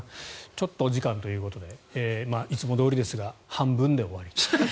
ちょっとお時間ということでいつもどおりですが半分で終わりと。